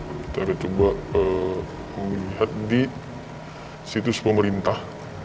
kita akan coba melihat di situs pemerintah